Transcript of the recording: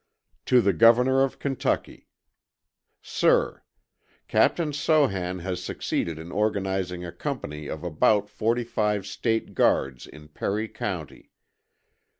To the Governor of Kentucky: Sir: Captain Sohan has succeeded in organizing a company of about 45 State Guards in Perry County.